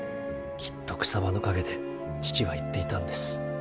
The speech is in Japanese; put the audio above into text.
きっと草葉の陰で父は言っていたんです。